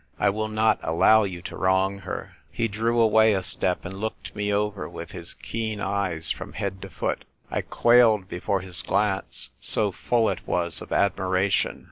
I will not allow you to wrong her." He drew away a step and looked me over with his keen eyes from head to foot. I quailed before his glance, so full it was of admiration.